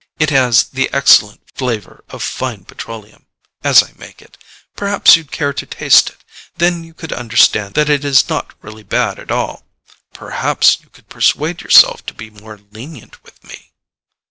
"It has the excellent flavor of fine petroleum, as I make it. Perhaps you'd care to taste it. Then you could understand that it is not really bad at all. Perhaps you could persuade yourself to be more lenient with me."